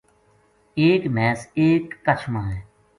ایک مھیس ایک کَچھ ما ہے